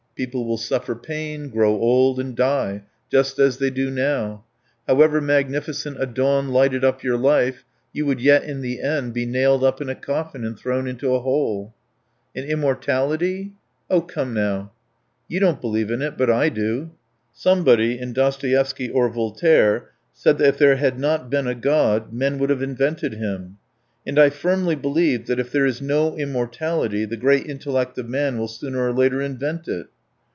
People will suffer pain, grow old, and die just as they do now. However magnificent a dawn lighted up your life, you would yet in the end be nailed up in a coffin and thrown into a hole." "And immortality?" "Oh, come, now!" "You don't believe in it, but I do. Somebody in Dostoevsky or Voltaire said that if there had not been a God men would have invented him. And I firmly believe that if there is no immortality the great intellect of man will sooner or later invent it."